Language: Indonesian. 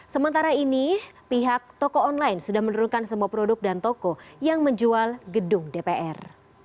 sementara ini pihak toko online sudah menurunkan semua produk dan toko yang menjual gedung dpr